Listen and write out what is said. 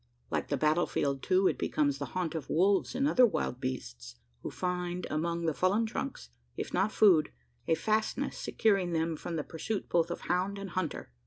Like the battle field, too, it becomes the haunt of wolves and other wild beasts; who find among the fallen trunks, if not food, a fastness securing them from the pursuit both of hound and hunter.